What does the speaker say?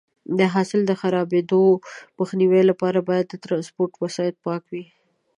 د حاصل د خرابېدو مخنیوي لپاره باید د ټرانسپورټ وسایط پاک وي.